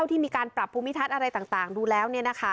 ที่มีการปรับภูมิทัศน์อะไรต่างดูแล้ว